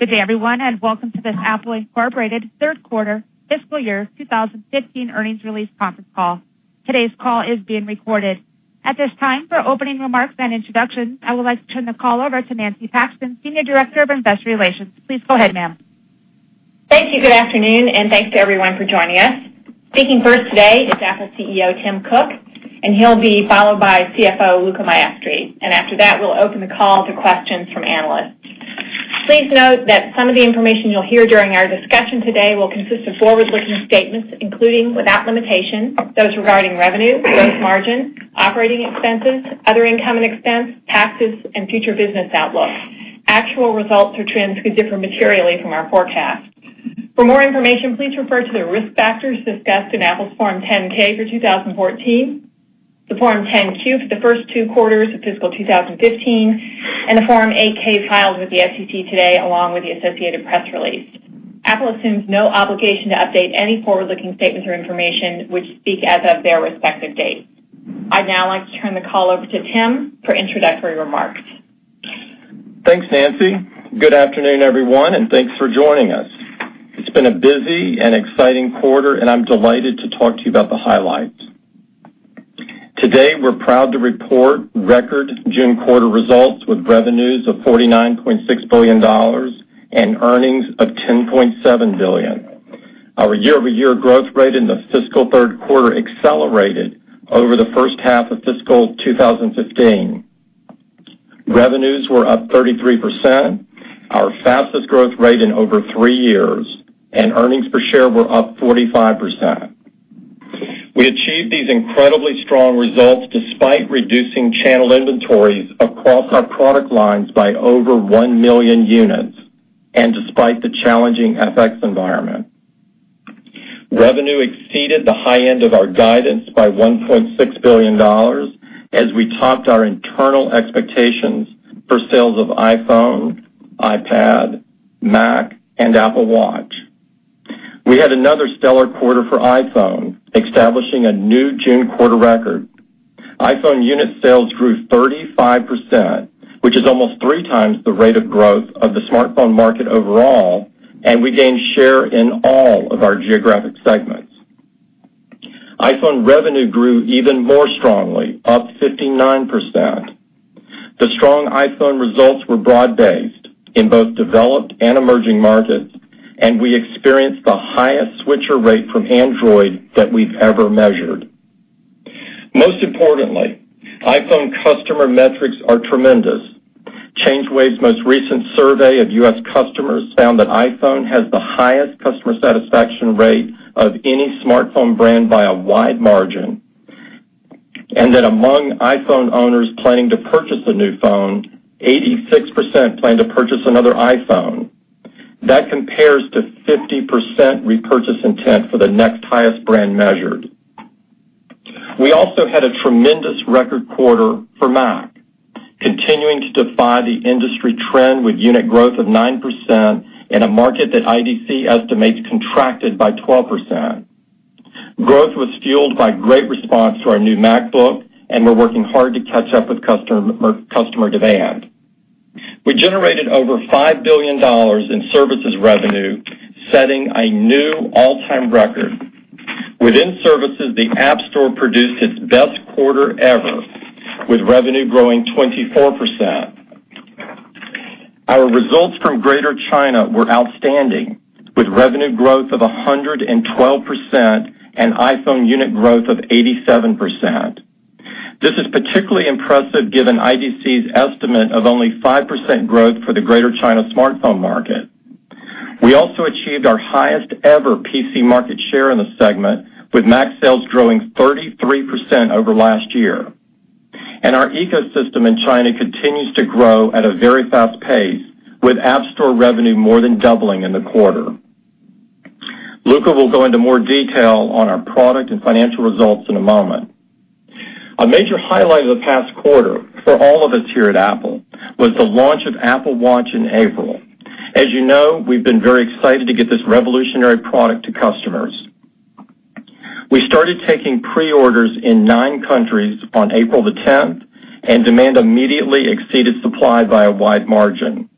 Good day, everyone. Welcome to this Apple Inc. third quarter fiscal year 2015 earnings release conference call. Today's call is being recorded. At this time, for opening remarks and introductions, I would like to turn the call over to Nancy Paxton, Senior Director of Investor Relations. Please go ahead, ma'am. Thank you. Good afternoon. Thanks to everyone for joining us. Speaking first today is Apple CEO, Tim Cook. He'll be followed by CFO, Luca Maestri. After that, we'll open the call to questions from analysts. Please note that some of the information you'll hear during our discussion today will consist of forward-looking statements, including, without limitation, those regarding revenue, gross margin, operating expenses, other income and expense, taxes, and future business outlook. Actual results or trends could differ materially from our forecast. For more information, please refer to the risk factors discussed in Apple's Form 10-K for 2014, the Form 10-Q for the first two quarters of fiscal 2015, and the Form 8-K filed with the SEC today along with the associated press release. Apple assumes no obligation to update any forward-looking statements or information, which speak as of their respective dates. I'd now like to turn the call over to Tim for introductory remarks. Thanks, Nancy. Good afternoon, everyone. Thanks for joining us. It's been a busy and exciting quarter. I'm delighted to talk to you about the highlights. Today, we're proud to report record June quarter results with revenues of $49.6 billion and earnings of $10.7 billion. Our year-over-year growth rate in the fiscal third quarter accelerated over the first half of fiscal 2015. Revenues were up 33%, our fastest growth rate in over three years. Earnings per share were up 45%. We achieved these incredibly strong results despite reducing channel inventories across our product lines by over 1 million units and despite the challenging FX environment. Revenue exceeded the high end of our guidance by $1.6 billion as we topped our internal expectations for sales of iPhone, iPad, Mac, and Apple Watch. We had another stellar quarter for iPhone, establishing a new June quarter record. iPhone unit sales grew 35%, which is almost three times the rate of growth of the smartphone market overall. We gained share in all of our geographic segments. iPhone revenue grew even more strongly, up 59%. The strong iPhone results were broad-based in both developed and emerging markets, and we experienced the highest switcher rate from Android that we've ever measured. Most importantly, iPhone customer metrics are tremendous. ChangeWave's most recent survey of U.S. customers found that iPhone has the highest customer satisfaction rate of any smartphone brand by a wide margin, and that among iPhone owners planning to purchase a new phone, 86% plan to purchase another iPhone. That compares to 50% repurchase intent for the next highest brand measured. We also had a tremendous record quarter for Mac, continuing to defy the industry trend with unit growth of nine percent in a market that IDC estimates contracted by 12%. Growth was fueled by great response to our new MacBook, and we're working hard to catch up with customer demand. We generated over $5 billion in services revenue, setting a new all-time record. Within services, the App Store produced its best quarter ever, with revenue growing 24%. Our results from Greater China were outstanding, with revenue growth of 112% and iPhone unit growth of 87%. This is particularly impressive given IDC's estimate of only five percent growth for the Greater China smartphone market. We also achieved our highest ever PC market share in the segment, with Mac sales growing 33% over last year. Our ecosystem in China continues to grow at a very fast pace, with App Store revenue more than doubling in the quarter. Luca will go into more detail on our product and financial results in a moment. A major highlight of the past quarter for all of us here at Apple was the launch of Apple Watch in April. As you know, we've been very excited to get this revolutionary product to customers. We started taking pre-orders in nine countries on April the 10th. Demand immediately exceeded supply by a wide margin.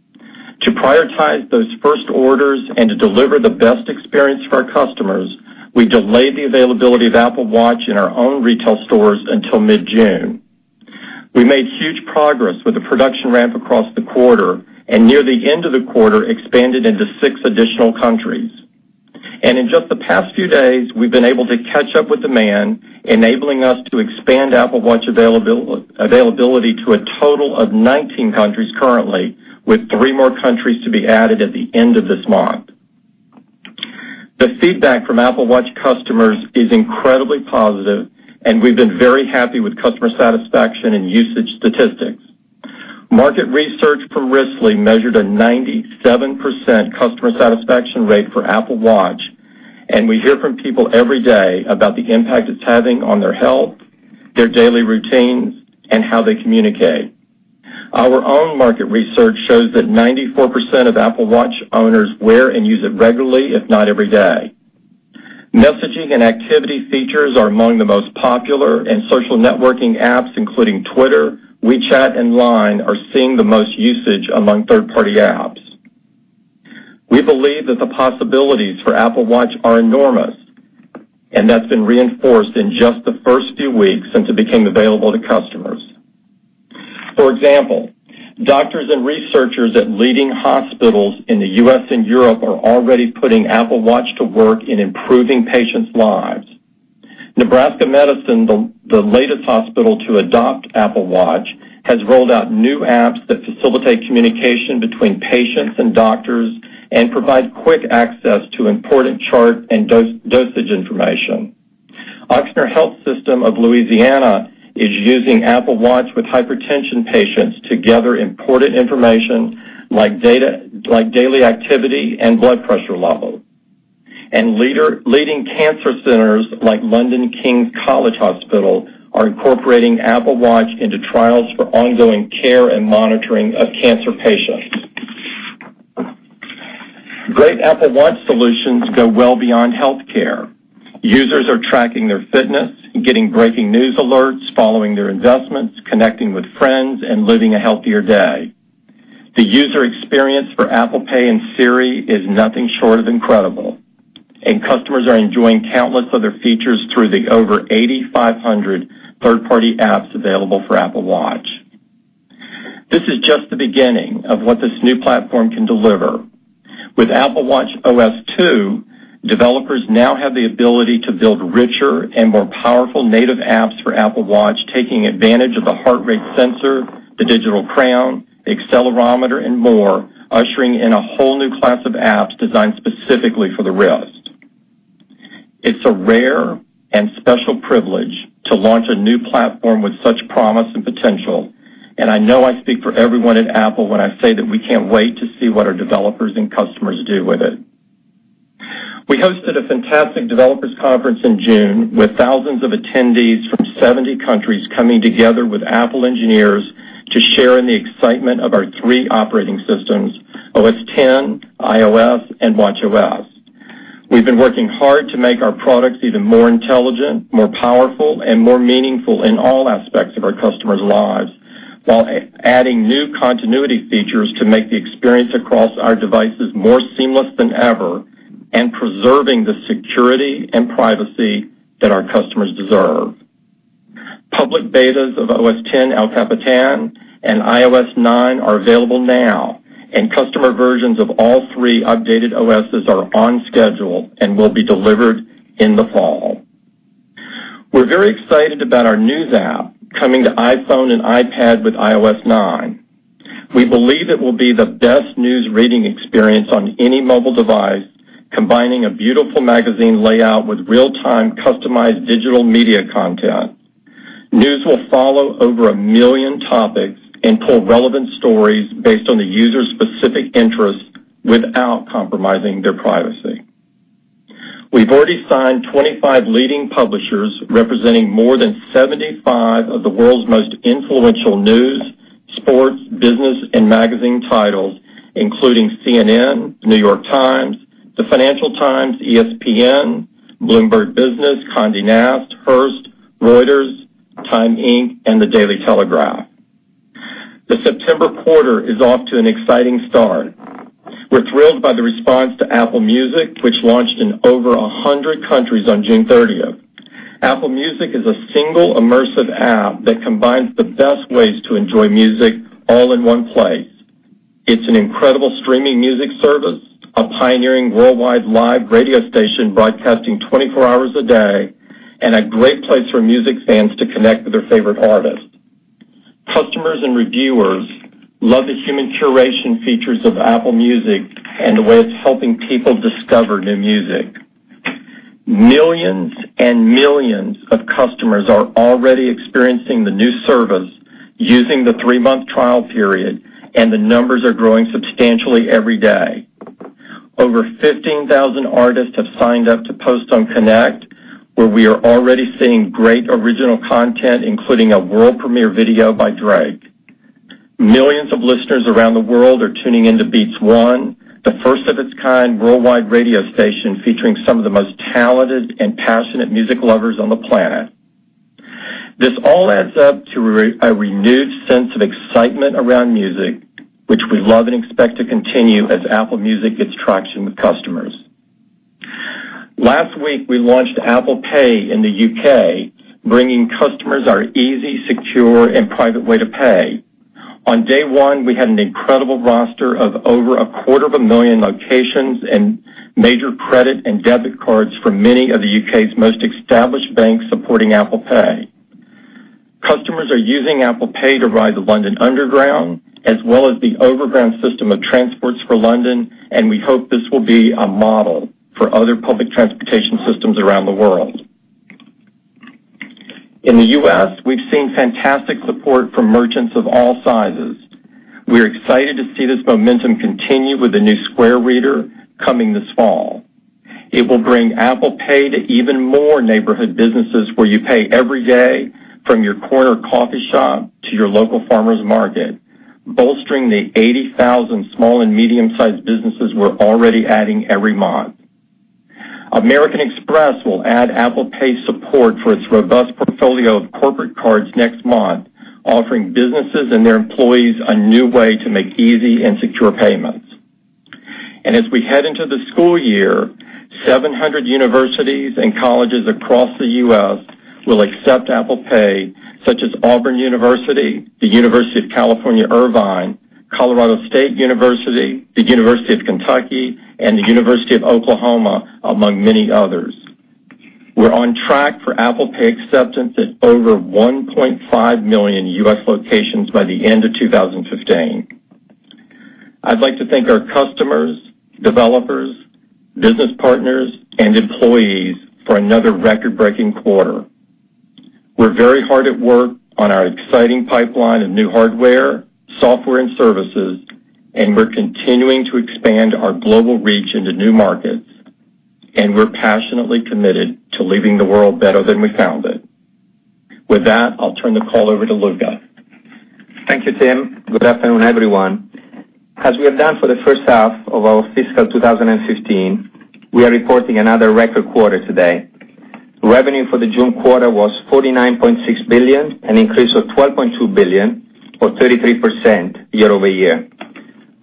To prioritize those first orders and to deliver the best experience for our customers, we delayed the availability of Apple Watch in our own retail stores until mid-June. We made huge progress with the production ramp across the quarter and near the end of the quarter expanded into six additional countries. In just the past few days, we've been able to catch up with demand, enabling us to expand Apple Watch availability to a total of 19 countries currently, with three more countries to be added at the end of this month. The feedback from Apple Watch customers is incredibly positive. We've been very happy with customer satisfaction and usage statistics. Market research from Wristly measured a 97% customer satisfaction rate for Apple Watch. We hear from people every day about the impact it's having on their health, their daily routines, and how they communicate. Our own market research shows that 94% of Apple Watch owners wear and use it regularly, if not every day. Messaging and activity features are among the most popular. Social networking apps, including Twitter, WeChat, and Line, are seeing the most usage among third-party apps. We believe that the possibilities for Apple Watch are enormous, that's been reinforced in just the first few weeks since it became available to customers. For example, doctors and researchers at leading hospitals in the U.S. and Europe are already putting Apple Watch to work in improving patients' lives. Nebraska Medicine, the latest hospital to adopt Apple Watch, has rolled out new apps that facilitate communication between patients and doctors and provide quick access to important chart and dosage information. Ochsner Health System of Louisiana is using Apple Watch with hypertension patients to gather important information like daily activity and blood pressure levels. Leading cancer centers like London King's College Hospital are incorporating Apple Watch into trials for ongoing care and monitoring of cancer patients. Great Apple Watch solutions go well beyond healthcare. Users are tracking their fitness, getting breaking news alerts, following their investments, connecting with friends, and living a healthier day. The user experience for Apple Pay and Siri is nothing short of incredible, customers are enjoying countless other features through the over 8,500 third-party apps available for Apple Watch. This is just the beginning of what this new platform can deliver. With watchOS 2, developers now have the ability to build richer and more powerful native apps for Apple Watch, taking advantage of the heart rate sensor, the Digital Crown, the accelerometer, and more, ushering in a whole new class of apps designed specifically for the wrist. It's a rare and special privilege to launch a new platform with such promise and potential, I know I speak for everyone at Apple when I say that we can't wait to see what our developers and customers do with it. We hosted a fantastic developers conference in June with thousands of attendees from 70 countries coming together with Apple engineers to share in the excitement of our three operating systems, OS X, iOS, and watchOS. We've been working hard to make our products even more intelligent, more powerful, and more meaningful in all aspects of our customers' lives while adding new continuity features to make the experience across our devices more seamless than ever and preserving the security and privacy that our customers deserve. Public betas of OS X El Capitan and iOS 9 are available now, customer versions of all three updated OSes are on schedule and will be delivered in the fall. We're very excited about our News app coming to iPhone and iPad with iOS 9. We believe it will be the best News reading experience on any mobile device, combining a beautiful magazine layout with real-time customized digital media content. News will follow over a million topics and pull relevant stories based on the user's specific interests without compromising their privacy. We've already signed 25 leading publishers representing more than 75 of the world's most influential news, sports, business, and magazine titles, including CNN, New York Times, the Financial Times, ESPN, Bloomberg Business, Condé Nast, Hearst, Reuters, Time Inc, and The Daily Telegraph. The September quarter is off to an exciting start. We're thrilled by the response to Apple Music, which launched in over 100 countries on June 30th. Apple Music is a single, immersive app that combines the best ways to enjoy music all in one place. It's an incredible streaming music service, a pioneering worldwide live radio station broadcasting 24 hours a day, and a great place for music fans to connect with their favorite artists. Customers and reviewers love the human curation features of Apple Music and the way it's helping people discover new music. Millions and millions of customers are already experiencing the new service using the three-month trial period, and the numbers are growing substantially every day. Over 15,000 artists have signed up to post on Connect, where we are already seeing great original content, including a world premiere video by Drake. Millions of listeners around the world are tuning into Beats 1, the first of its kind worldwide radio station featuring some of the most talented and passionate music lovers on the planet. This all adds up to a renewed sense of excitement around music, which we love and expect to continue as Apple Music gets traction with customers. Last week, we launched Apple Pay in the U.K., bringing customers our easy, secure, and private way to pay. On day one, we had an incredible roster of over a quarter of a million locations and major credit and debit cards from many of the U.K.'s most established banks supporting Apple Pay. Customers are using Apple Pay to ride the London Underground as well as the overground system of Transport for London, and we hope this will be a model for other public transportation systems around the world. In the U.S., we've seen fantastic support from merchants of all sizes. We're excited to see this momentum continue with the new Square Reader coming this fall. It will bring Apple Pay to even more neighborhood businesses where you pay every day, from your corner coffee shop to your local farmers market. Bolstering the 80,000 small and medium-sized businesses we're already adding every month. American Express will add Apple Pay support for its robust portfolio of corporate cards next month, offering businesses and their employees a new way to make easy and secure payments. As we head into the school year, 700 universities and colleges across the U.S. will accept Apple Pay, such as Auburn University, the University of California, Irvine, Colorado State University, the University of Kentucky, and the University of Oklahoma, among many others. We're on track for Apple Pay acceptance at over 1.5 million U.S. locations by the end of 2015. I'd like to thank our customers, developers, business partners, and employees for another record-breaking quarter. We're very hard at work on our exciting pipeline of new hardware, software, and services, and we're continuing to expand our global reach into new markets, and we're passionately committed to leaving the world better than we found it. With that, I'll turn the call over to Luca. Thank you, Tim. Good afternoon, everyone. As we have done for the first half of our fiscal 2015, we are reporting another record quarter today. Revenue for the June quarter was $49.6 billion, an increase of $12.2 billion or 33% year-over-year.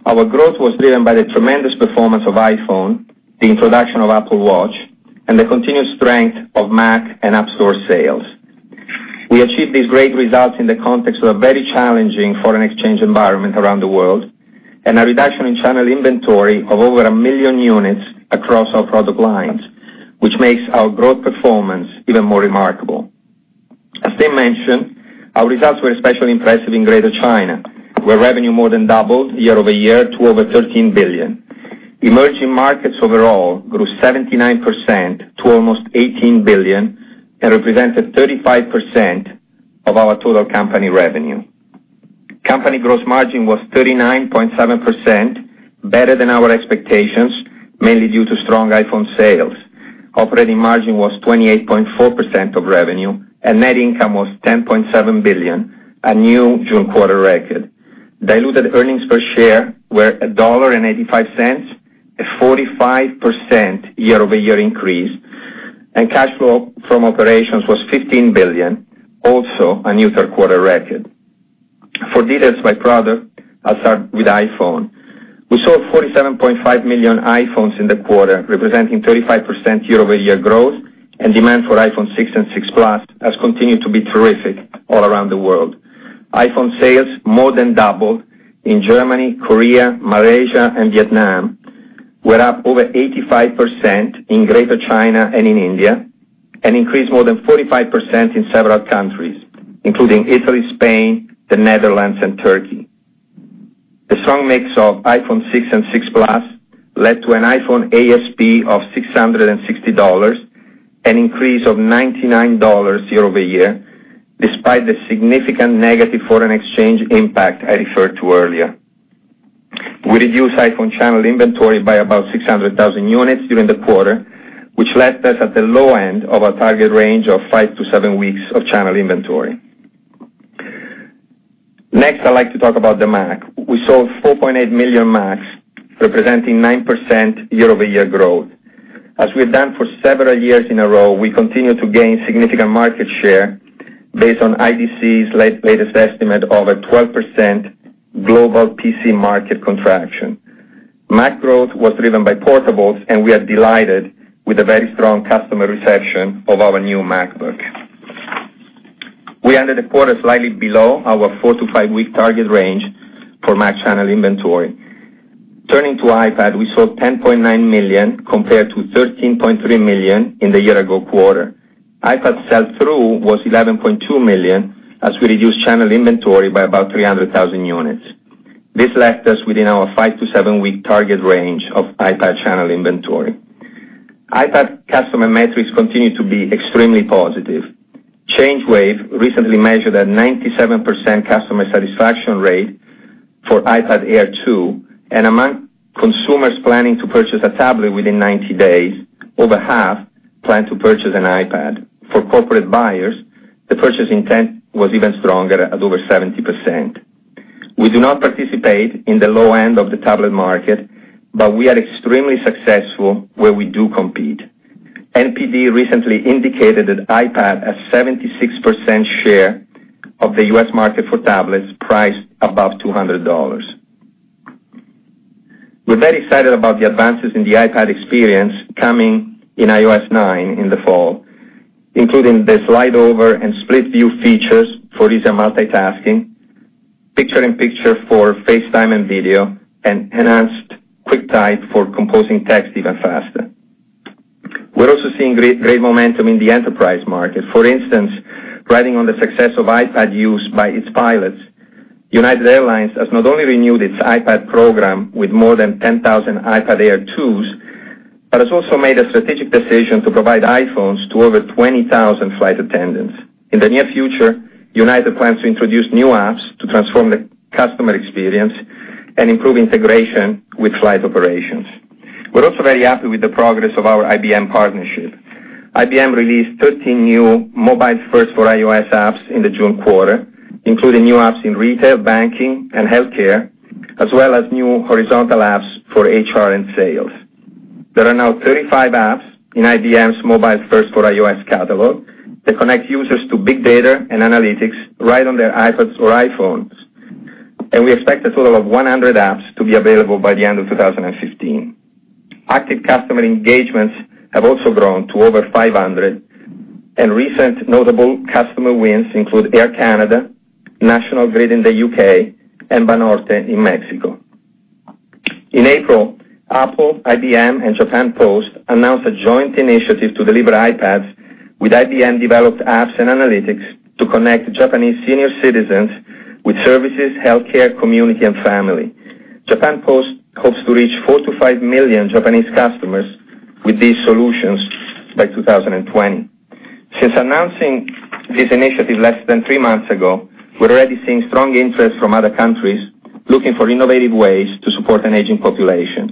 Our growth was driven by the tremendous performance of iPhone, the introduction of Apple Watch, and the continued strength of Mac and App Store sales. We achieved these great results in the context of a very challenging foreign exchange environment around the world and a reduction in channel inventory of over 1 million units across our product lines, which makes our growth performance even more remarkable. As Tim mentioned, our results were especially impressive in Greater China, where revenue more than doubled year-over-year to over $13 billion. Emerging markets overall grew 79% to almost $18 billion and represented 35% of our total company revenue. Company gross margin was 39.7%, better than our expectations, mainly due to strong iPhone sales. Operating margin was 28.4% of revenue and net income was $10.7 billion, a new June quarter record. Diluted earnings per share were $1.85, a 45% year-over-year increase, and cash flow from operations was $15 billion, also a new third quarter record. For details by product, I'll start with iPhone. We sold 47.5 million iPhones in the quarter, representing 35% year-over-year growth and demand for iPhone 6 and 6 Plus has continued to be terrific all around the world. iPhone sales more than doubled in Germany, Korea, Malaysia, and Vietnam, were up over 85% in Greater China and in India, and increased more than 45% in several countries, including Italy, Spain, the Netherlands, and Turkey. The strong mix of iPhone 6 and 6 Plus led to an iPhone ASP of $660, an increase of $99 year-over-year, despite the significant negative foreign exchange impact I referred to earlier. We reduced iPhone channel inventory by about 600,000 units during the quarter, which left us at the low end of our target range of 5 to 7 weeks of channel inventory. Next, I'd like to talk about the Mac. We sold 4.8 million Macs, representing 9% year-over-year growth. As we have done for several years in a row, we continue to gain significant market share based on IDC's latest estimate of a 12% global PC market contraction. Mac growth was driven by portables, and we are delighted with the very strong customer reception of our new MacBook. We ended the quarter slightly below our 4 to 5-week target range for Mac channel inventory. Turning to iPad, we sold 10.9 million compared to 13.3 million in the year-ago quarter. iPad sell-through was 11.2 million as we reduced channel inventory by about 300,000 units. This left us within our 5 to 7-week target range of iPad channel inventory. iPad customer metrics continue to be extremely positive. ChangeWave recently measured a 97% customer satisfaction rate for iPad Air 2, and among consumers planning to purchase a tablet within 90 days, over half plan to purchase an iPad. For corporate buyers, the purchase intent was even stronger at over 70%. We do not participate in the low end of the tablet market, but we are extremely successful where we do compete. NPD recently indicated that iPad has 76% share of the U.S. market for tablets priced above $200. We're very excited about the advances in the iPad experience coming in iOS 9 in the fall, including the Slide Over and split-view features for easier multitasking, Picture in Picture for FaceTime and video, and enhanced QuickType for composing text even faster. We're also seeing great momentum in the enterprise market. For instance, riding on the success of iPad used by its pilots, United Airlines has not only renewed its iPad program with more than 10,000 iPad Air 2s, but has also made a strategic decision to provide iPhones to over 20,000 flight attendants. In the near future, United plans to introduce new apps to transform the customer experience and improve integration with flight operations. We're also very happy with the progress of our IBM partnership. IBM released 13 new MobileFirst for iOS apps in the June quarter, including new apps in retail, banking, and healthcare, as well as new horizontal apps for HR and sales. There are now 35 apps in IBM's MobileFirst for iOS catalog that connect users to big data and analytics right on their iPads or iPhones. We expect a total of 100 apps to be available by the end of 2015. Active customer engagements have also grown to over 500, and recent notable customer wins include Air Canada, National Grid in the U.K., and Banorte in Mexico. In April, Apple, IBM, and Japan Post announced a joint initiative to deliver iPads with IBM-developed apps and analytics to connect Japanese senior citizens with services, healthcare, community, and family. Japan Post hopes to reach 4 to 5 million Japanese customers with these solutions by 2020. Since announcing this initiative less than three months ago, we're already seeing strong interest from other countries looking for innovative ways to support an aging population.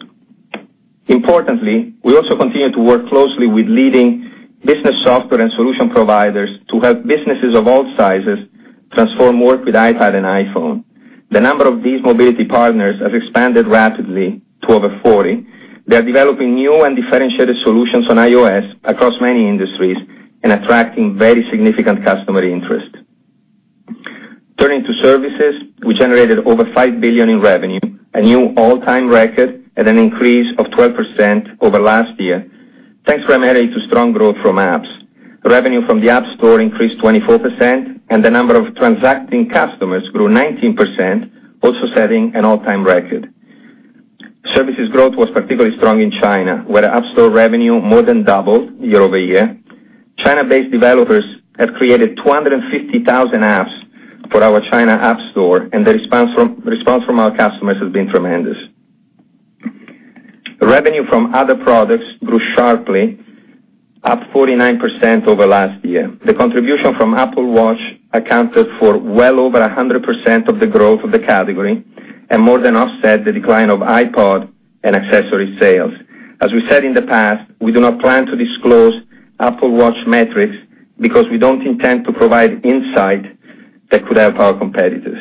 Importantly, we also continue to work closely with leading business software and solution providers to help businesses of all sizes transform work with iPad and iPhone. The number of these mobility partners has expanded rapidly to over 40. They are developing new and differentiated solutions on iOS across many industries and attracting very significant customer interest. Turning to services, we generated over $5 billion in revenue, a new all-time record and an increase of 12% over last year, thanks primarily to strong growth from apps. Revenue from the App Store increased 24%, and the number of transacting customers grew 19%, also setting an all-time record. Services growth was particularly strong in China, where App Store revenue more than doubled year-over-year. China-based developers have created 250,000 apps for our China App Store. The response from our customers has been tremendous. Revenue from other products grew sharply, up 49% over last year. The contribution from Apple Watch accounted for well over 100% of the growth of the category and more than offset the decline of iPod and accessory sales. As we said in the past, we do not plan to disclose Apple Watch metrics because we don't intend to provide insight that could help our competitors.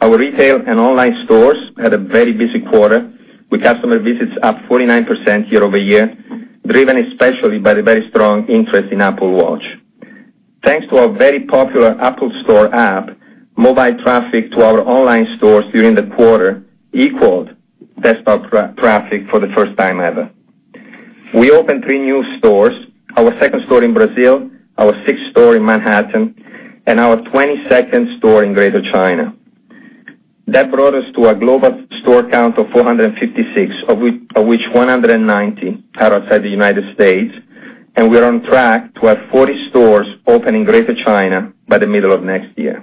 Our retail and online stores had a very busy quarter, with customer visits up 49% year-over-year, driven especially by the very strong interest in Apple Watch. Thanks to our very popular Apple Store app, mobile traffic to our online stores during the quarter equaled desktop traffic for the first time ever. We opened three new stores, our second store in Brazil, our sixth store in Manhattan, and our 22nd store in Greater China. That brought us to a global store count of 456, of which 190 are outside the United States, and we are on track to have 40 stores open in Greater China by the middle of next year.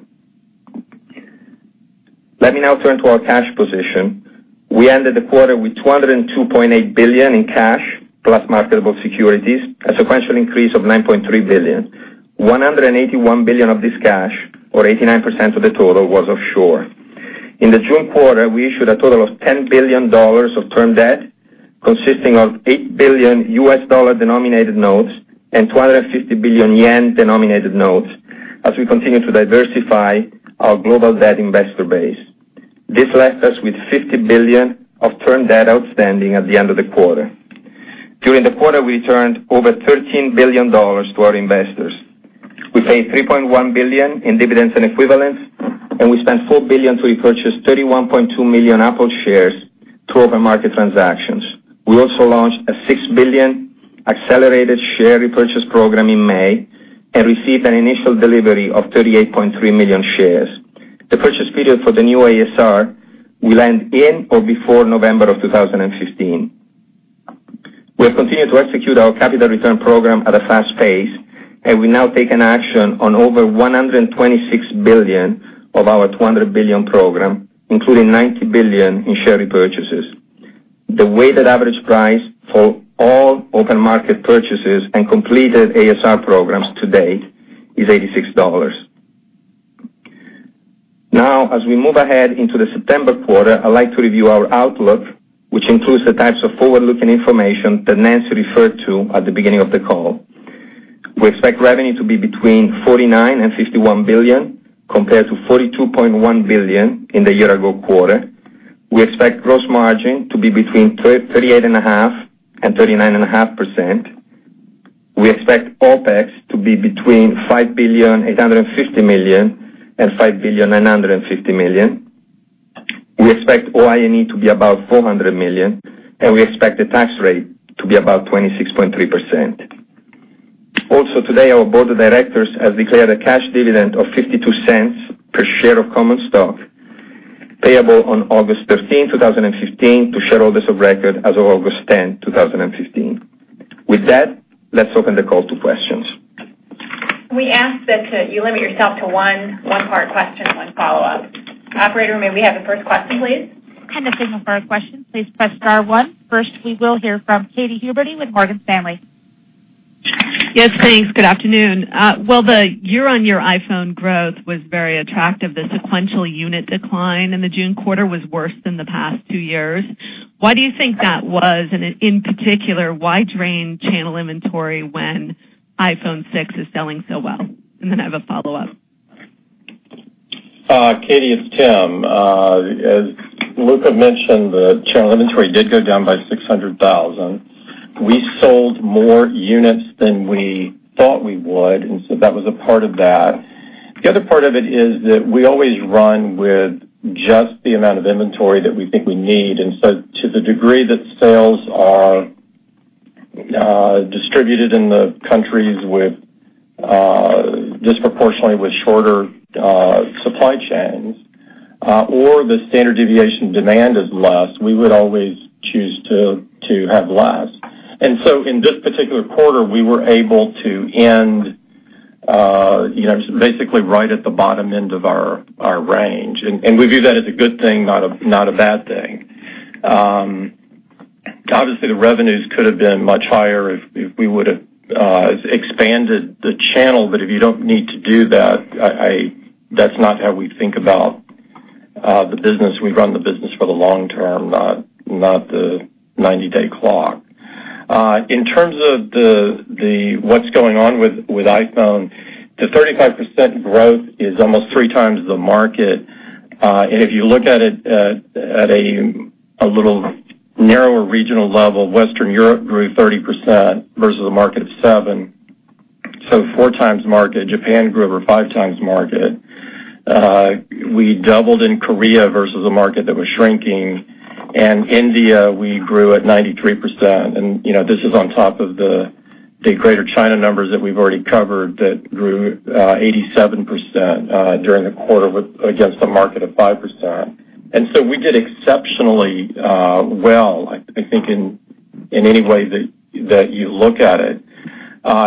Let me now turn to our cash position. We ended the quarter with $202.8 billion in cash plus marketable securities, a sequential increase of $9.3 billion. $181 billion of this cash, or 89% of the total, was offshore. In the June quarter, we issued a total of $10 billion of term debt, consisting of $8 billion U.S. dollar-denominated notes and 250 billion yen-denominated notes, as we continue to diversify our global debt investor base. This left us with $50 billion of term debt outstanding at the end of the quarter. During the quarter, we returned over $13 billion to our investors. We paid $3.1 billion in dividends and equivalents, and we spent $4 billion to repurchase 31.2 million Apple shares through open market transactions. We also launched a $6 billion accelerated share repurchase program in May and received an initial delivery of 38.3 million shares. The purchase period for the new ASR will end in or before November of 2015. We have continued to execute our capital return program at a fast pace, and we've now taken action on over $126 billion of our $200 billion program, including $90 billion in share repurchases. The weighted average price for all open market purchases and completed ASR programs to date is $86. As we move ahead into the September quarter, I'd like to review our outlook, which includes the types of forward-looking information that Nancy referred to at the beginning of the call. We expect revenue to be between $49 billion and $51 billion, compared to $42.1 billion in the year-ago quarter. We expect gross margin to be between 38.5% and 39.5%. We expect OPEX to be between $5.850 billion and $5.950 billion. We expect OIE to be about $400 million, and we expect the tax rate to be about 26.3%. Also today, our board of directors has declared a cash dividend of $0.52 per share of common stock, payable on August 15th, 2015, to shareholders of record as of August 10th, 2015. With that, let's open the call to questions. We ask that you limit yourself to one part question, one follow-up. Operator, may we have the first question, please? To signal for a question, please press star one. First, we will hear from Katy Huberty with Morgan Stanley. Yes, thanks. Good afternoon. Well, the year-on-year iPhone growth was very attractive. The sequential unit decline in the June quarter was worse than the past two years. Why do you think that was? In particular, why drain channel inventory when iPhone 6 is selling so well? Then I have a follow-up. Katy, it's Tim. As Luca mentioned, the channel inventory did go down by 600,000. We sold more units than we thought we would, so that was a part of that. The other part of it is that we always run with just the amount of inventory that we think we need. So to the degree that sales are distributed in the countries disproportionately with shorter supply chains or the standard deviation demand is less, we would always choose to have less. So in this particular quarter, we were able to end basically right at the bottom end of our range. We view that as a good thing, not a bad thing. Obviously, the revenues could have been much higher if we would've expanded the channel, if you don't need to do that's not how we think about the business. We run the business for the long term, not the 90-day clock. In terms of what's going on with iPhone, the 35% growth is almost 3x the market. If you look at it at a little narrower regional level, Western Europe grew 30% versus a market of 7%, so 4x market. Japan grew over 5x market. We doubled in Korea versus a market that was shrinking. India, we grew at 93%. This is on top of the Greater China numbers that we've already covered that grew 87% during the quarter against a market of 5%. So we did exceptionally well, I think, in any way that you look at it.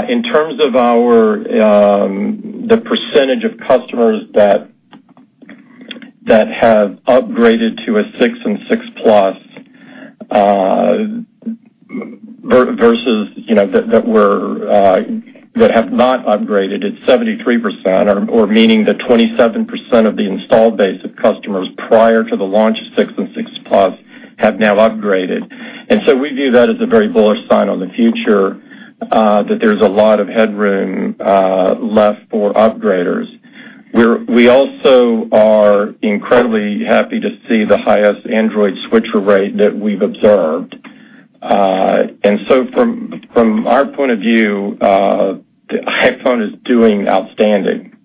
In terms of the percentage of customers that have upgraded to a 6 and 6 Plus versus that have not upgraded, it's 73%, meaning that 27% of the installed base of customers prior to the launch of 6 and 6 Plus have now upgraded. We view that as a very bullish sign on the future, that there's a lot of headroom left for upgraders. We also are incredibly happy to see the highest Android switcher rate that we've observed. From our point of view, iPhone is doing outstanding.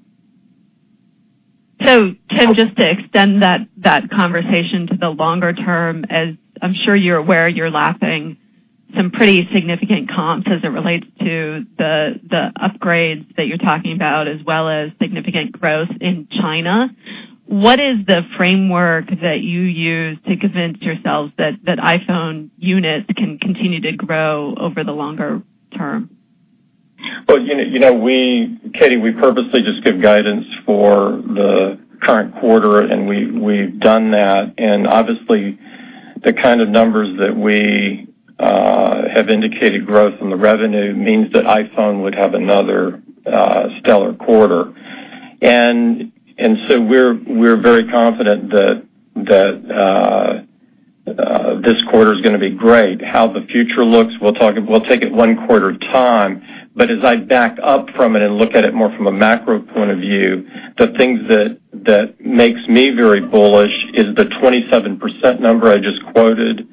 Tim, just to extend that conversation to the longer term, as I'm sure you're aware, you're lapping some pretty significant comps as it relates to the upgrades that you're talking about as well as significant growth in China. What is the framework that you use to convince yourselves that iPhone units can continue to grow over the longer term? Well, Katy, we purposely just give guidance for the current quarter, and we've done that. Obviously, the kind of numbers that we have indicated growth in the revenue means that iPhone would have another stellar quarter. We're very confident that this quarter's going to be great. How the future looks, we'll take it one quarter at a time. As I back up from it and look at it more from a macro point of view, the thing that makes me very bullish is the 27% number I just quoted,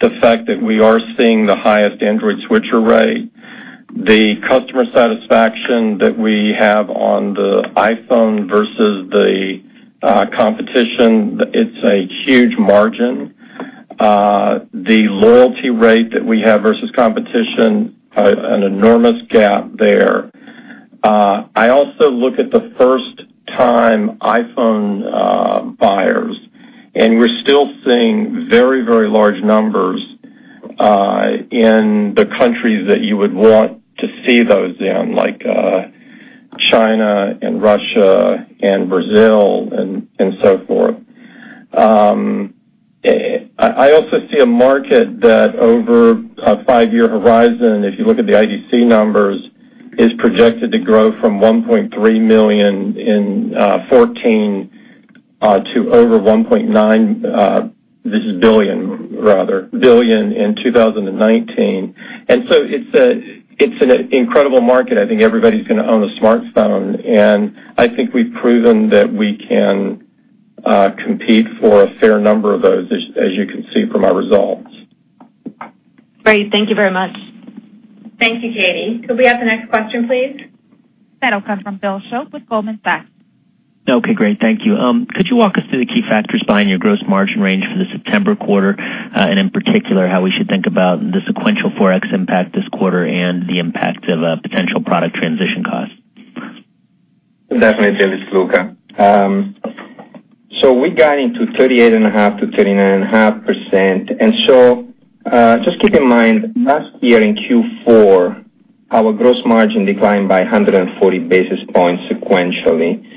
the fact that we are seeing the highest Android switcher rate, the customer satisfaction that we have on the iPhone versus the competition, it's a huge margin. The loyalty rate that we have versus competition, an enormous gap there. I also look at the first-time iPhone buyers. We're still seeing very large numbers in the countries that you would want to see those in, like China and Russia and Brazil and so forth. I also see a market that over a five-year horizon, if you look at the IDC numbers, is projected to grow from 1.3 million in 2014 to over 1.9, this is billion rather, billion in 2019. It's an incredible market. I think everybody's going to own a smartphone, and I think we've proven that we can compete for a fair number of those, as you can see from our results. Great. Thank you very much. Thank you, Katy. Could we have the next question, please? That'll come from Bill Shope with Goldman Sachs. Okay, great. Thank you. Could you walk us through the key factors behind your gross margin range for the September quarter, and in particular, how we should think about the sequential ForEx impact this quarter and the impact of potential product transition costs? Definitely, Bill. It's Luca. We got into 38.5%-39.5%. Just keep in mind, last year in Q4, our gross margin declined by 140 basis points sequentially.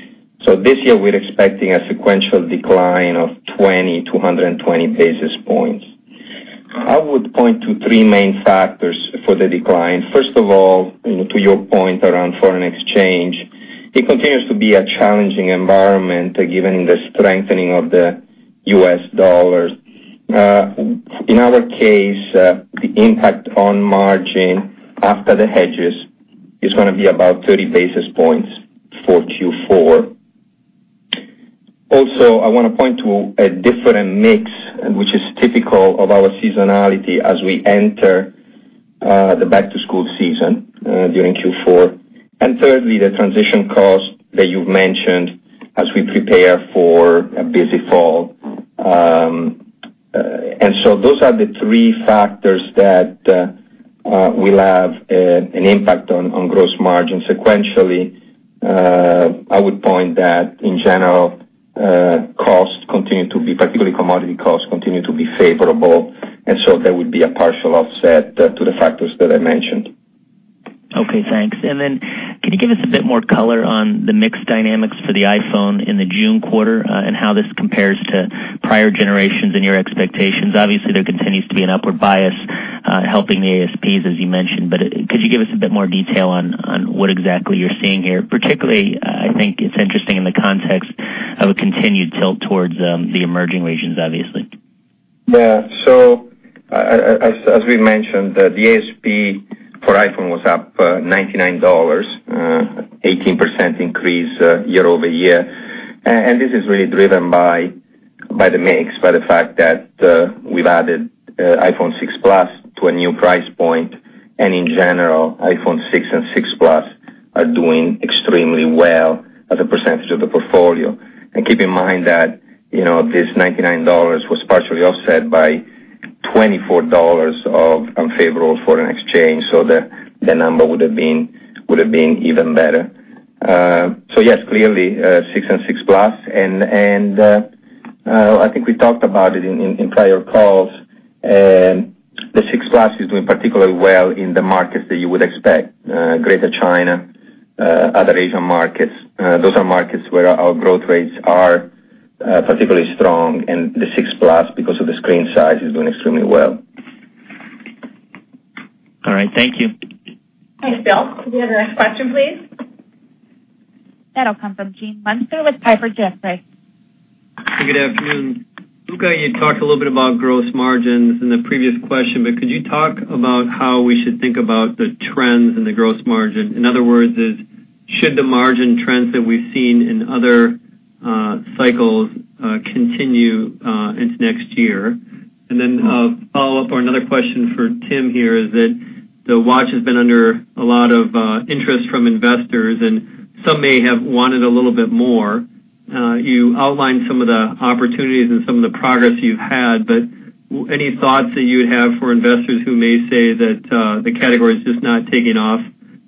This year, we're expecting a sequential decline of 20 basis points-120 basis points. I would point to three main factors for the decline. First of all, to your point around foreign exchange, it continues to be a challenging environment given the strengthening of the U.S. dollar. In our case, the impact on margin after the hedges is going to be about 30 basis points for Q4. Also, I want to point to a different mix, which is typical of our seasonality as we enter the back-to-school season during Q4. Thirdly, the transition cost that you've mentioned as we prepare for a busy fall. Those are the three factors that will have an impact on gross margin sequentially. I would point that, in general, particularly commodity costs, continue to be favorable. There would be a partial offset to the factors that I mentioned. Okay, thanks. Can you give us a bit more color on the mix dynamics for the iPhone in the June quarter and how this compares to prior generations and your expectations? Obviously, there continues to be an upward bias helping the ASPs, as you mentioned, but could you give us a bit more detail on what exactly you're seeing here? Particularly, I think it's interesting in the context of a continued tilt towards the emerging regions, obviously. Yeah. As we mentioned, the ASP for iPhone was up $99, 18% increase year-over-year. This is really driven by the mix, by the fact that we've added iPhone 6 Plus to a new price point, and in general, iPhone 6 and 6 Plus are doing extremely well as a percentage of the portfolio. Keep in mind that this $99 was partially offset by $24 of unfavorable foreign exchange, so the number would've been even better. Yes, clearly, 6 and 6 Plus, and I think we talked about it in prior calls. The 6 Plus is doing particularly well in the markets that you would expect. Greater China, other Asian markets. Those are markets where our growth rates are particularly strong, and the 6 Plus, because of the screen size, is doing extremely well. All right. Thank you. Thanks, Bill. Could we have the next question, please? That'll come from Gene Munster with Piper Jaffray. Good afternoon. Luca, you talked a little bit about gross margins in the previous question, but could you talk about how we should think about the trends in the gross margin? In other words, should the margin trends that we've seen in other cycles continue into next year? A follow-up or another question for Tim here is that the watch has been under a lot of interest from investors, and some may have wanted a little bit more. You outlined some of the opportunities and some of the progress you've had, any thoughts that you would have for investors who may say that the category is just not taking off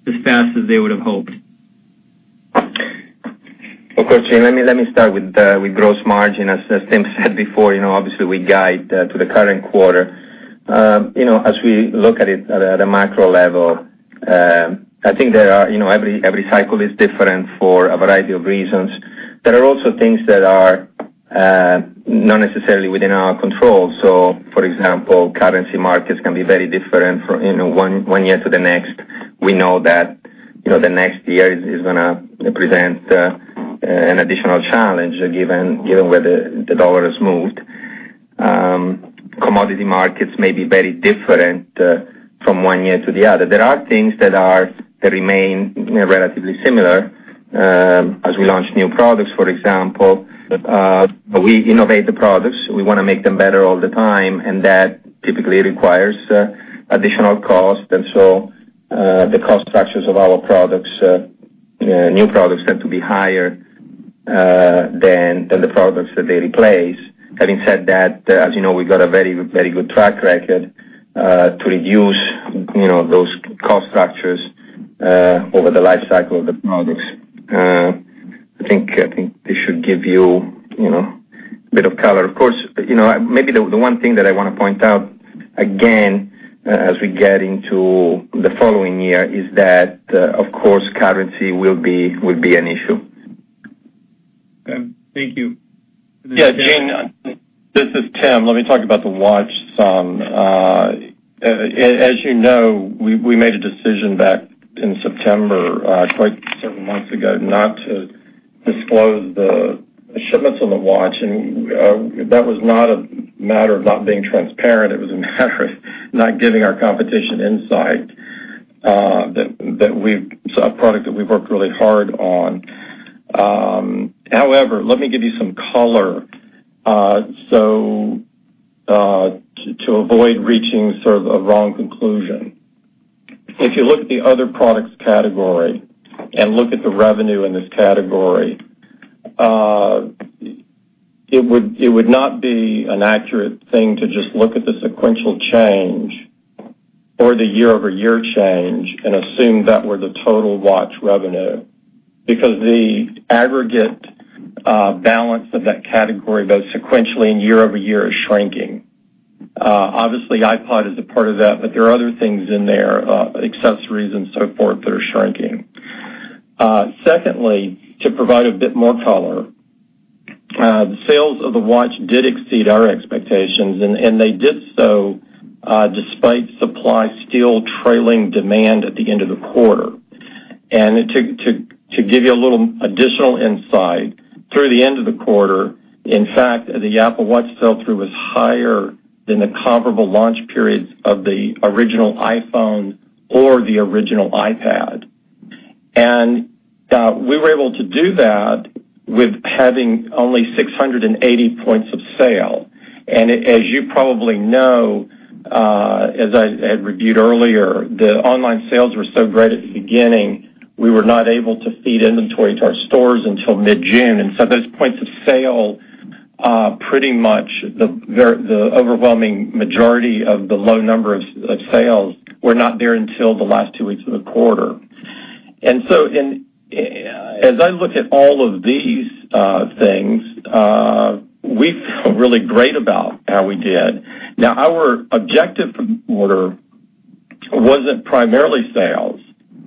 as fast as they would've hoped? Of course. Gene, let me start with gross margin. As Tim said before, obviously we guide to the current quarter. As we look at it at a macro level, I think every cycle is different for a variety of reasons. There are also things that are not necessarily within our control. For example, currency markets can be very different from one year to the next. We know that the next year is going to present an additional challenge given where the dollar has moved. Commodity markets may be very different from one year to the other. There are things that remain relatively similar as we launch new products, for example. We innovate the products. We want to make them better all the time, and that typically requires additional cost. The cost structures of our new products tend to be higher than the products that they replace. Having said that, as you know, we've got a very good track record to reduce those cost structures over the life cycle of the products. I think this should give you a bit of color. Of course, maybe the one thing that I want to point out again as we get into the following year is that, of course, currency will be an issue. Thank you. Yeah. Gene. Yeah, Gene, this is Tim. Let me talk about the Apple Watch some. As you know, we made a decision back in September, quite several months ago, not to disclose the shipments on the Apple Watch, and that was not a matter of not being transparent. It was a matter of not giving our competition insight. It's a product that we've worked really hard on. However, let me give you some color to avoid reaching sort of a wrong conclusion. If you look at the other products category and look at the revenue in this category, it would not be an accurate thing to just look at the sequential change or the year-over-year change and assume that were the total Apple Watch revenue because the aggregate balance of that category, both sequentially and year-over-year, is shrinking. Obviously, iPod is a part of that, but there are other things in there, accessories and so forth, that are shrinking. Secondly, to provide a bit more color, the sales of the Watch did exceed our expectations, and they did so despite supply still trailing demand at the end of the quarter. To give you a little additional insight, through the end of the quarter, in fact, the Apple Watch sell-through was higher than the comparable launch periods of the original iPhone or the original iPad. We were able to do that with having only 680 points of sale. As you probably know, as I had reviewed earlier, the online sales were so great at the beginning, we were not able to feed inventory to our stores until mid-June. Those points of sale pretty much, the overwhelming majority of the low number of sales were not there until the last two weeks of the quarter. As I look at all of these things, we feel really great about how we did. Now, our objective for the quarter wasn't primarily sales.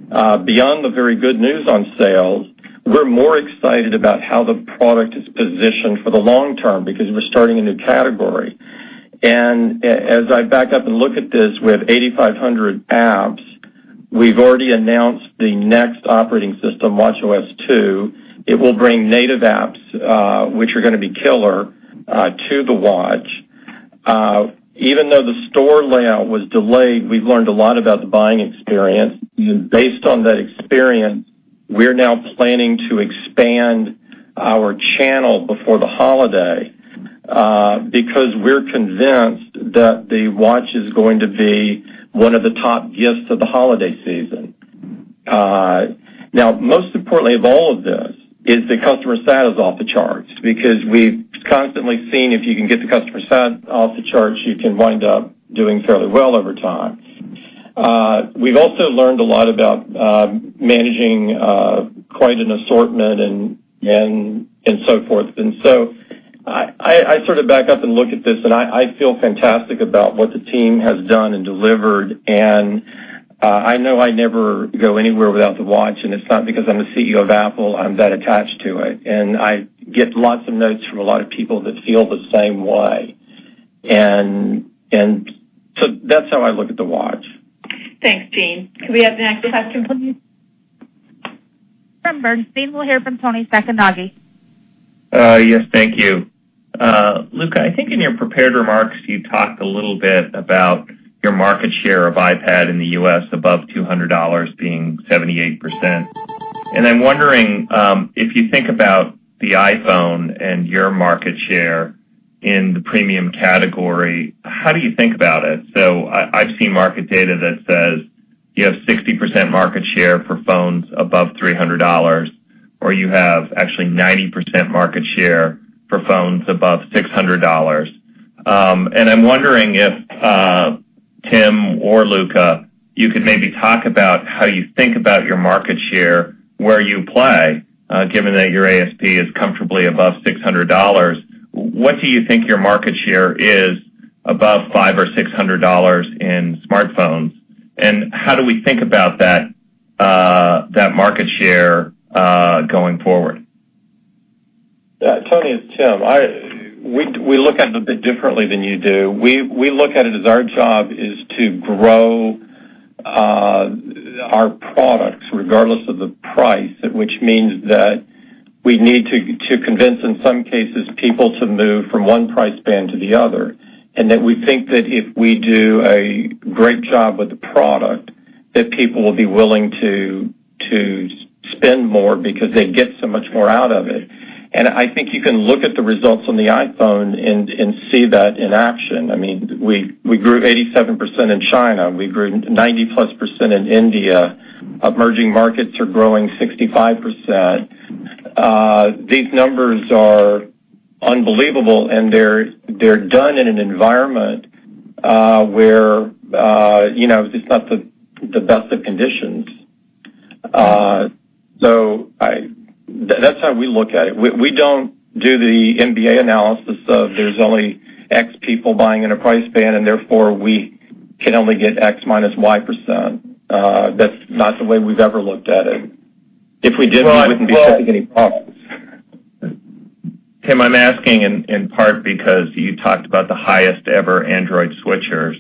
Beyond the very good news on sales, we're more excited about how the product is positioned for the long term because we're starting a new category. As I back up and look at this, we have 8,500 apps. We've already announced the next operating system, watchOS 2. It will bring native apps, which are going to be killer, to the Watch. Even though the store layout was delayed, we've learned a lot about the buying experience. Based on that experience, we're now planning to expand our channel before the holiday because we're convinced that the Watch is going to be one of the top gifts of the holiday season. Now, most importantly of all of this is the customer sat is off the charts because we've constantly seen if you can get the customer sat off the charts, you can wind up doing fairly well over time. We've also learned a lot about managing quite an assortment and so forth. I sort of back up and look at this, and I feel fantastic about what the team has done and delivered, and I know I never go anywhere without the Watch, and it's not because I'm the CEO of Apple. I'm that attached to it. I get lots of notes from a lot of people that feel the same way. That's how I look at the Watch. Thanks, Gene. Could we have the next question, please? From Bernstein, we'll hear from Toni Sacconaghi. Yes. Thank you. Luca, I think in your prepared remarks, you talked a little bit about your market share of iPad in the U.S. above $200 being 78%. I'm wondering, if you think about the iPhone and your market share in the premium category, how do you think about it? I've seen market data that says you have 60% market share for phones above $300, or you have actually 90% market share for phones above $600. I'm wondering if, Tim or Luca, you could maybe talk about how you think about your market share, where you play, given that your ASP is comfortably above $600. What do you think your market share is above $500 or $600 in smartphones, and how do we think about that market share going forward? Yeah. Toni, it's Tim. We look at it a bit differently than you do. We look at it as our job is to grow our products regardless of the price, which means that we need to convince, in some cases, people to move from one price band to the other, and that we think that if we do a great job with the product, that people will be willing to spend more because they get so much more out of it. I think you can look at the results on the iPhone and see that in action. We grew 87% in China. We grew 90+% in India. Emerging markets are growing 65%. These numbers are unbelievable, and they're done in an environment where it's not the best of conditions. That's how we look at it. We don't do the MBA analysis of there's only X people buying in a price band, and therefore we can only get X minus Y%. That's not the way we've ever looked at it. If we did, we wouldn't be making any profits. Tim, I'm asking in part because you talked about the highest ever Android switchers.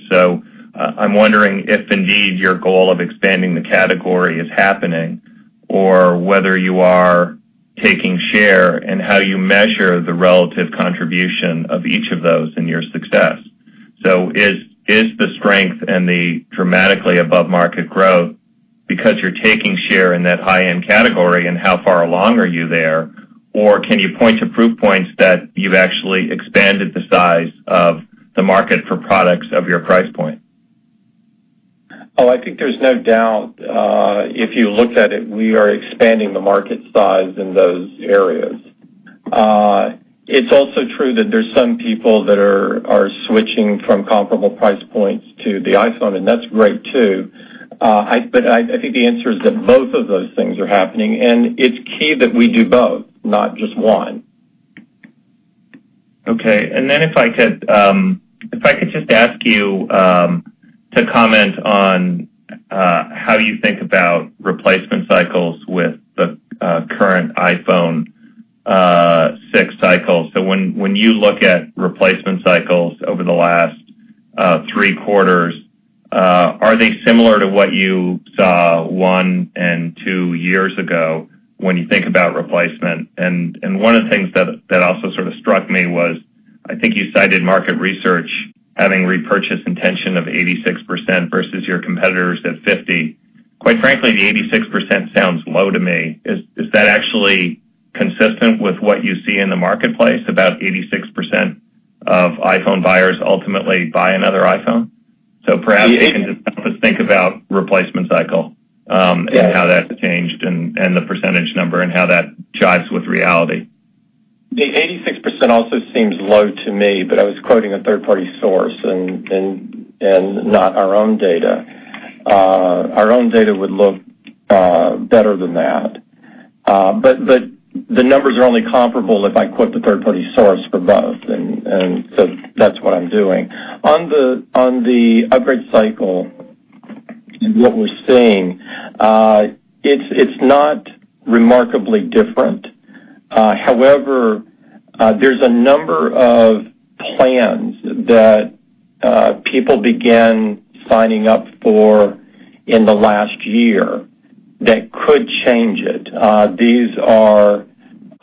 I'm wondering if indeed your goal of expanding the category is happening or whether you are taking share and how you measure the relative contribution of each of those in your success. Is the strength and the dramatically above-market growth because you're taking share in that high-end category, and how far along are you there? Can you point to proof points that you've actually expanded the size of the market for products of your price point? I think there's no doubt. If you looked at it, we are expanding the market size in those areas. It's also true that there's some people that are switching from comparable price points to the iPhone, and that's great, too. I think the answer is that both of those things are happening, and it's key that we do both, not just one. Okay. If I could just ask you to comment on how you think about replacement cycles with the current iPhone 6 cycle. When you look at replacement cycles over the last three quarters, are they similar to what you saw one and two years ago when you think about replacement? One of the things that also sort of struck me was, I think you cited market research having repurchase intention of 86% versus your competitors at 50. Quite frankly, the 86% sounds low to me. Is that actually consistent with what you see in the marketplace, about 86% of iPhone buyers ultimately buy another iPhone? Perhaps you can just help us think about replacement cycle and how that's changed and the percentage number and how that jives with reality. The 86% also seems low to me, but I was quoting a third-party source and not our own data. Our own data would look better than that. The numbers are only comparable if I quote the third-party source for both, and so that's what I'm doing. On the upgrade cycle and what we're seeing, it's not remarkably different. However, there's a number of plans that people began signing up for in the last year that could change it. These are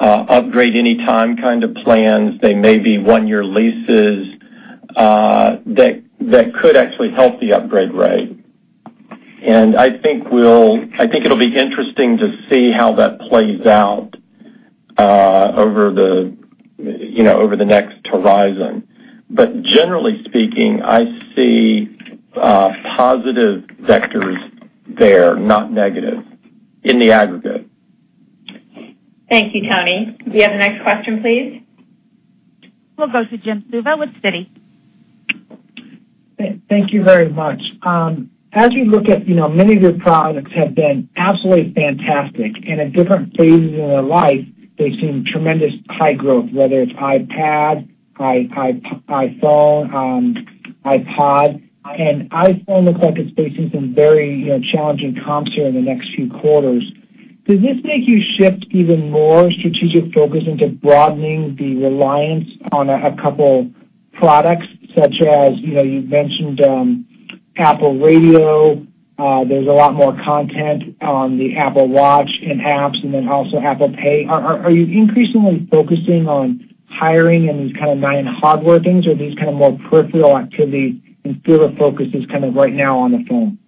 upgrade anytime kind of plans. They may be one-year leases that could actually help the upgrade rate. I think it'll be interesting to see how that plays out over the next horizon. Generally speaking, I see positive vectors there, not negative, in the aggregate. Thank you, Toni. Do we have the next question, please? We'll go to Jim Suva with Citi. Thank you very much. As you look at many of your products have been absolutely fantastic, and at different phases in their life, they've seen tremendous high growth, whether it's iPad, iPhone, iPod. iPhone looks like it's facing some very challenging comps here in the next few quarters. Does this make you shift even more strategic focus into broadening the reliance on a couple products, such as you mentioned Apple Music, there's a lot more content on the Apple Watch and apps, and then also Apple Pay. Are you increasingly focusing on hiring in these kind of nine hard workings, or are these kind of more peripheral activity, and still the focus is kind of right now on the phone?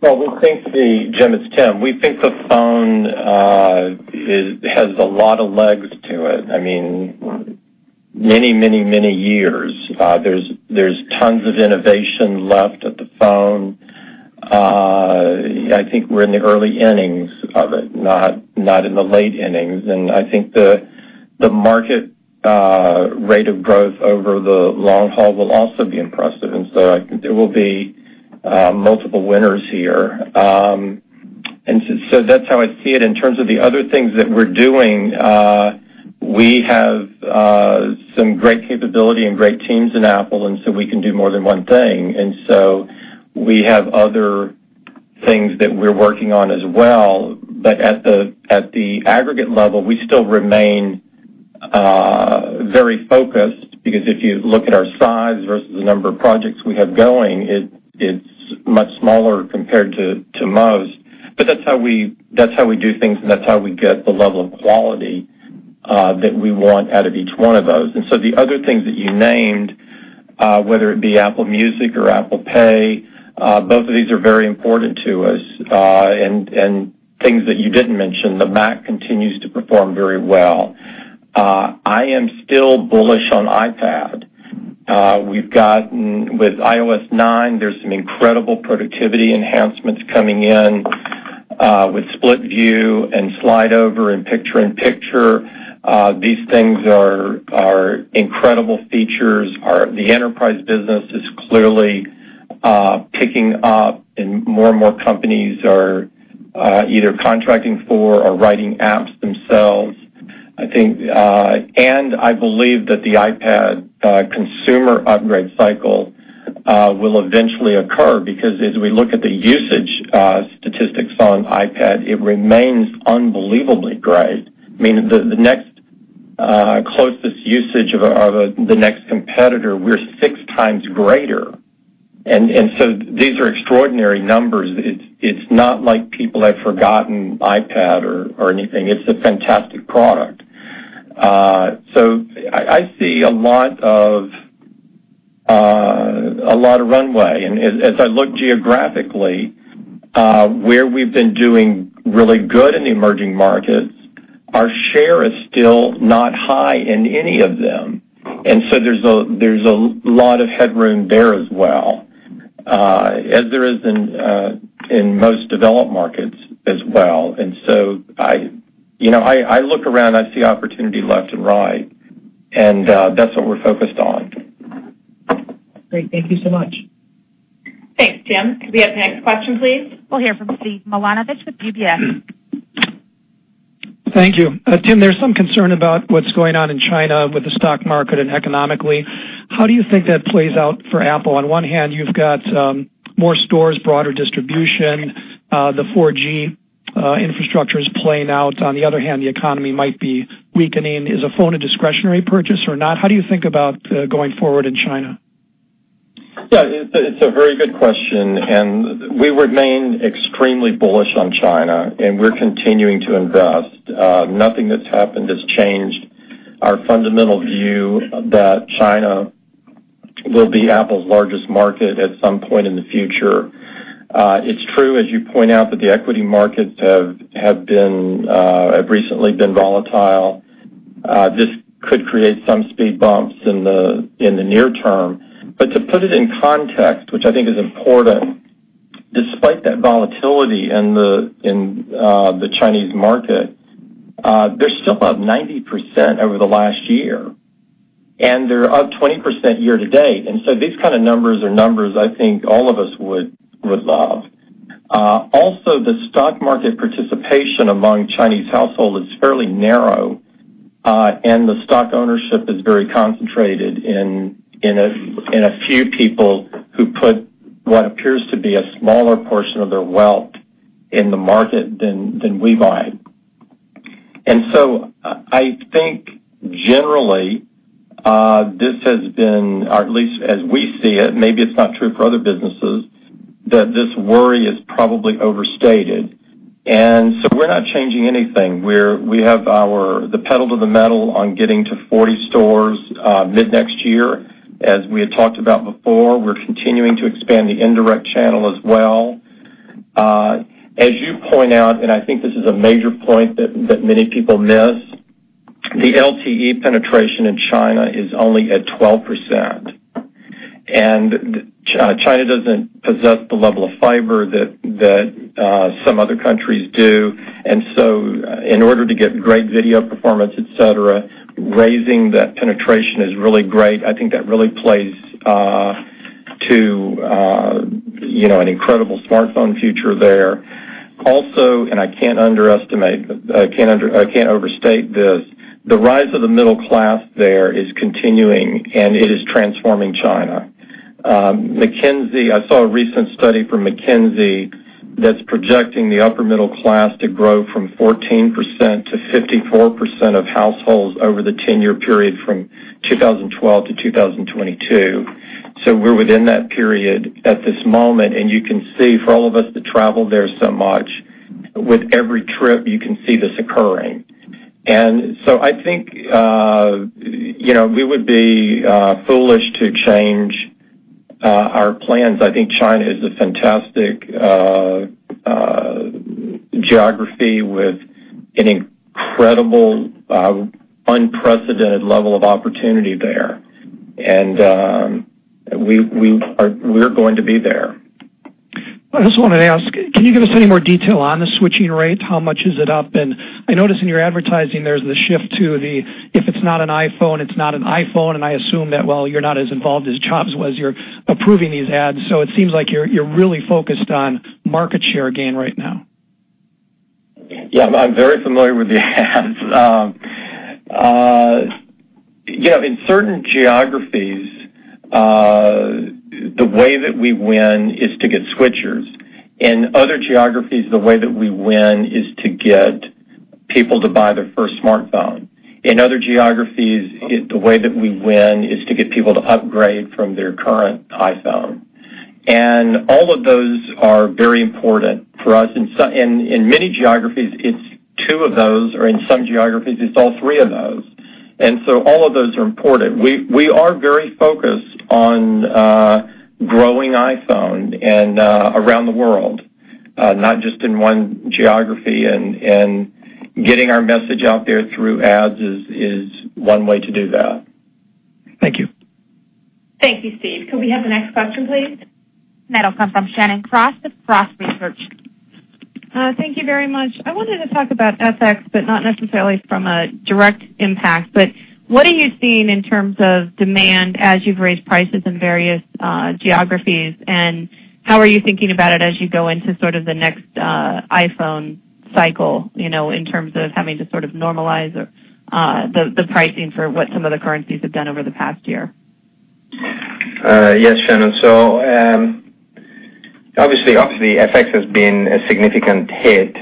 Well, Jim, it's Tim. We think the phone has a lot of legs to it. I mean, many, many, many years. There's tons of innovation left at the phone. I think we're in the early innings of it, not in the late innings. I think the market rate of growth over the long haul will also be impressive. I think there will be multiple winners here. That's how I see it. In terms of the other things that we're doing, we have some great capability and great teams in Apple. We can do more than one thing. We have other things that we're working on as well. At the aggregate level, we still remain very focused because if you look at our size versus the number of projects we have going, it's much smaller compared to most. That's how we do things, and that's how we get the level of quality that we want out of each one of those. The other things that you named, whether it be Apple Music or Apple Pay, both of these are very important to us. Things that you didn't mention, the Mac continues to perform very well. I am still bullish on iPad. With iOS 9, there's some incredible productivity enhancements coming in with Split View and Slide Over and Picture in Picture. These things are incredible features. The enterprise business is clearly picking up and more and more companies are either contracting for or writing apps themselves, I think. I believe that the iPad consumer upgrade cycle will eventually occur because as we look at the usage statistics on iPad, it remains unbelievably great. I mean, the next closest usage of the next competitor, we're six times greater. These are extraordinary numbers. It's not like people have forgotten iPad or anything. It's a fantastic product. I see a lot of runway. As I look geographically where we've been doing really good in the emerging markets, our share is still not high in any of them. There's a lot of headroom there as well, as there is in most developed markets as well. I look around, I see opportunity left and right, and that's what we're focused on. Great. Thank you so much. Thanks, Tim. Could we have the next question, please? We'll hear from Steve Milunovich with UBS. Thank you. Tim, there's some concern about what's going on in China with the stock market and economically. How do you think that plays out for Apple? On one hand, you've got more stores, broader distribution. The 4G infrastructure is playing out. On the other hand, the economy might be weakening. Is a phone a discretionary purchase or not? How do you think about going forward in China? Yeah, it's a very good question, and we remain extremely bullish on China, and we're continuing to invest. Nothing that's happened has changed our fundamental view that China will be Apple's largest market at some point in the future. It's true, as you point out, that the equity markets have recently been volatile. This could create some speed bumps in the near term. To put it in context, which I think is important, despite that volatility in the Chinese market, they're still up 90% over the last year, and they're up 20% year-to-date. These kind of numbers are numbers I think all of us would love. Also, the stock market participation among Chinese households is fairly narrow, and the stock ownership is very concentrated in a few people who put what appears to be a smaller portion of their wealth in the market than we buy. I think generally, this has been, or at least as we see it, maybe it's not true for other businesses, that this worry is probably overstated. We're not changing anything. We have the pedal to the metal on getting to 40 stores mid-next year. As we had talked about before, we're continuing to expand the indirect channel as well. As you point out, and I think this is a major point that many people miss, the LTE penetration in China is only at 12%, and China doesn't possess the level of fiber that some other countries do. In order to get great video performance, et cetera, raising that penetration is really great. I think that really plays to an incredible smartphone future there. Also, and I can't overstate this, the rise of the middle class there is continuing, and it is transforming China. I saw a recent study from McKinsey that's projecting the upper middle class to grow from 14% to 54% of households over the 10-year period from 2012 to 2022. We're within that period at this moment, you can see for all of us that travel there so much, with every trip, you can see this occurring. I think we would be foolish to change our plans. I think China is a fantastic geography with an incredible, unprecedented level of opportunity there, we're going to be there. I just wanted to ask, can you give us any more detail on the switching rates? How much is it up? I noticed in your advertising, there's the shift to the, if it's not an iPhone, it's not an iPhone, I assume that while you're not as involved as Jobs was, you're approving these ads. It seems like you're really focused on market share gain right now. Yeah, I'm very familiar with the ads. In certain geographies, the way that we win is to get switchers. In other geographies, the way that we win is to get people to buy their first smartphone. In other geographies, the way that we win is to get people to upgrade from their current iPhone. All of those are very important for us. In many geographies, it's two of those, or in some geographies, it's all three of those. All of those are important. We are very focused on growing iPhone around the world, not just in one geography, getting our message out there through ads is one way to do that. Thank you. Thank you, Steve. Could we have the next question, please? That'll come from Shannon Cross of Cross Research. Thank you very much. I wanted to talk about FX, not necessarily from a direct impact. What are you seeing in terms of demand as you've raised prices in various geographies, and how are you thinking about it as you go into sort of the next iPhone cycle, in terms of having to sort of normalize the pricing for what some of the currencies have done over the past year? Yes, Shannon. Obviously, FX has been a significant hit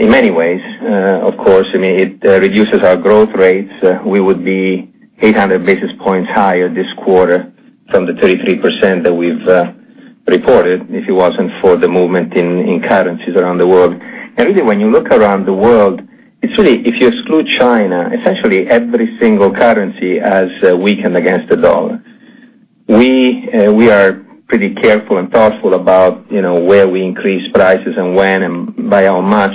in many ways. Of course, it reduces our growth rates. We would be 800 basis points higher this quarter from the 33% that we've reported if it wasn't for the movement in currencies around the world. Really, when you look around the world, it's really, if you exclude China, essentially every single currency has weakened against the dollar. We are pretty careful and thoughtful about where we increase prices and when and by how much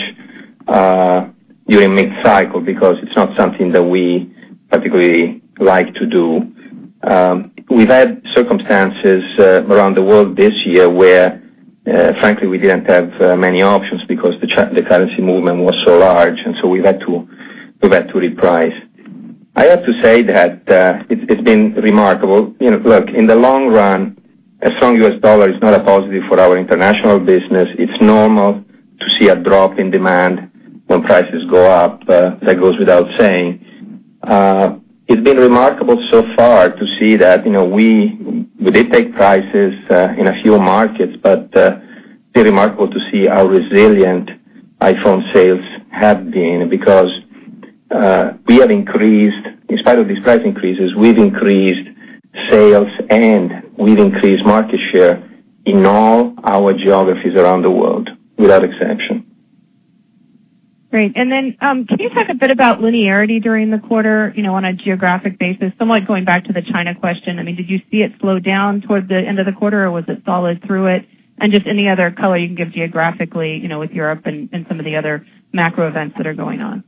during mid-cycle, because it's not something that we particularly like to do. We've had circumstances around the world this year where Frankly, we didn't have many options because the currency movement was so large. So we've had to reprice. I have to say that it's been remarkable. Look, in the long run, a strong US dollar is not a positive for our international business. It's normal to see a drop in demand when prices go up. That goes without saying. It's been remarkable so far to see that, we did take prices in a few markets. Pretty remarkable to see how resilient iPhone sales have been, because in spite of these price increases, we've increased sales and we've increased market share in all our geographies around the world without exception. Great. Can you talk a bit about linearity during the quarter, on a geographic basis, somewhat going back to the China question? Did you see it slow down towards the end of the quarter, or was it solid through it? Just any other color you can give geographically, with Europe and some of the other macro events that are going on.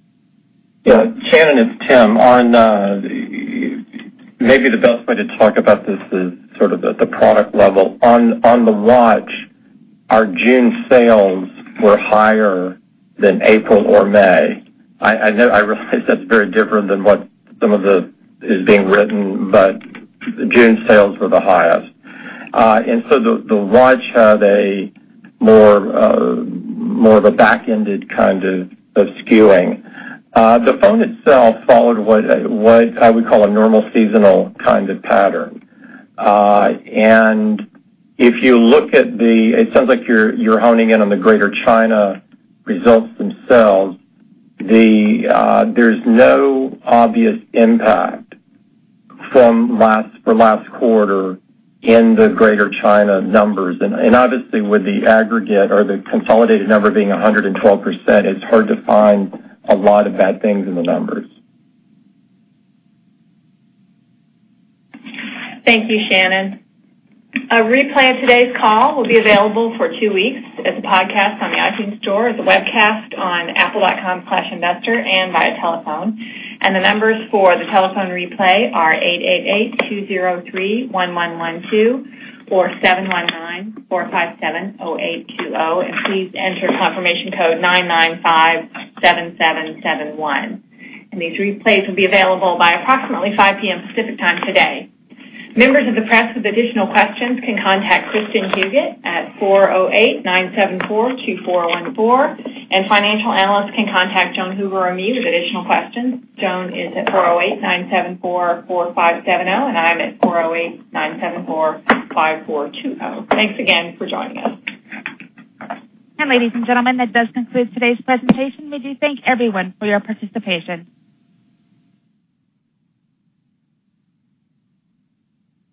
Yeah. Shannon, it's Tim. Maybe the best way to talk about this is sort of at the product level. On the watch, our June sales were higher than April or May. I realize that's very different than what some of the, is being written, but June sales were the highest. So the watch had more of a back-ended kind of skewing. The phone itself followed what I would call a normal seasonal kind of pattern. If you look at the, it sounds like you're honing in on the Greater China results themselves, there's no obvious impact for last quarter in the Greater China numbers. Obviously, with the aggregate or the consolidated number being 112%, it's hard to find a lot of bad things in the numbers. Thank you, Shannon. A replay of today's call will be available for two weeks as a podcast on the iTunes Store, as a webcast on apple.com/investor, and via telephone. The numbers for the telephone replay are 888-203-1112 or 719-457-0820. Please enter confirmation code 9957771. These replays will be available by approximately 5:00 P.M. Pacific Time today. Members of the press with additional questions can contact Kristin Huguet at 408-974-2414, and financial analysts can contact Joan Hoover or me with additional questions. Joan is at 408-974-4570, and I am at 408-974-5420. Thanks again for joining us. Ladies and gentlemen, that does conclude today's presentation. We do thank everyone for your participation.